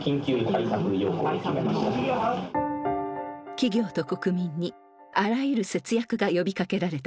企業と国民にあらゆる節約が呼びかけられたのです。